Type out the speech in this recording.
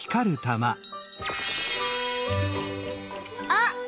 あっ！